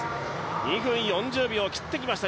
２分４０秒を切ってきました。